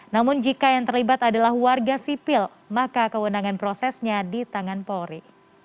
namun jika yang terlibat adalah warga sipil maka kewenangan prosesnya di tangan polri